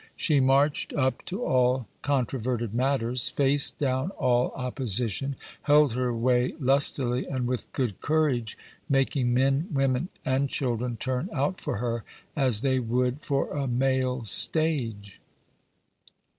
She marched up to all controverted matters, faced down all opposition, held her way lustily and with good courage, making men, women, and children turn out for her, as they would for a mail stage.